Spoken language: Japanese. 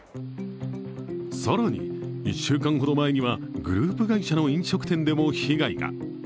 更に、１週間ほど前にはグループ会社の飲食店でも被害が。